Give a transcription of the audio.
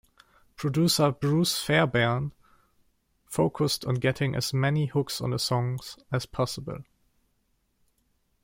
Producer Bruce Fairbairn focused on getting as many hooks on the songs as possible.